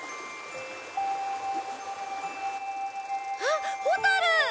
あっホタル！